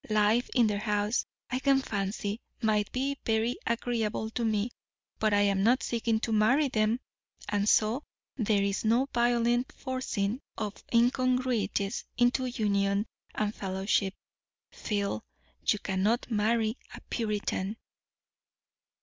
Life in their house, I can fancy, might be very agreeable to me; but I am not seeking to marry them, and so there is no violent forcing of incongruities into union and fellowship. Phil, you cannot marry a Puritan."